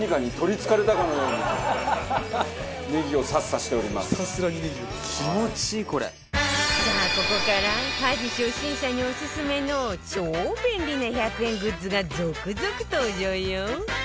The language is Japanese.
さあここから家事初心者にオススメの超便利な１００円グッズが続々登場よ